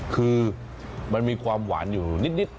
คือมันมีความหวานอยู่นิด